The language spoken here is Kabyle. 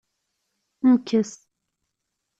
Mkes.